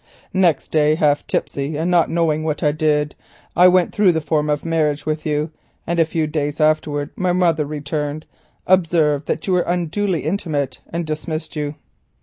Next day, half tipsy and not knowing what I did, I went through the form of marriage with you, and a few days afterwards my mother returned, observed that we were intimate, and dismissed you.